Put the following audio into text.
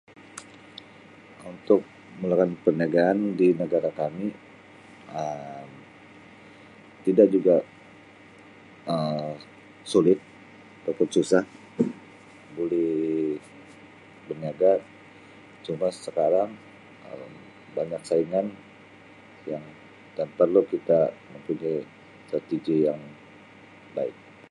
Untuk mulakan perniagaan di negara kami Um tidak juga Um sulit atau pun susah boleh berniaga cuma sekarang Um banyak saingan yang dan perlu kita mempunyai strategi yang baik.